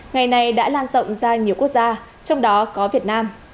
ngày này đã lan rộng ra nhiều quốc gia trong đó có việt nam